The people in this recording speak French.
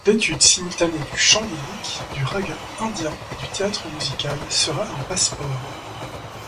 L’étude simultanée du chant lyrique, du raga Indien, du théâtre musical sera un passeport.